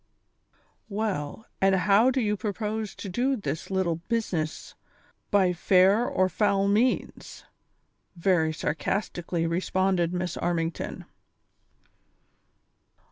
"Well, and how do you propose to do this little busi ness, by fair or foul means V " very sarcastically responded Miss Armington.